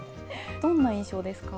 どんな印象ですか？